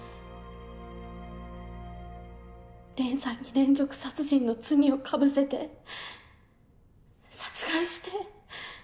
蓮さんに連続殺人の罪を被せて殺害して。